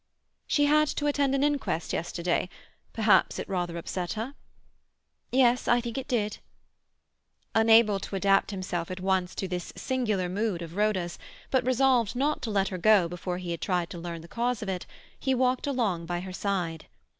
"She had to attend an inquest yesterday. Perhaps it rather upset her?" "Yes, I think it did." Unable to adapt himself at once to this singular mood of Rhoda's, but resolved not to let her go before he had tried to learn the cause of it, he walked along by her side.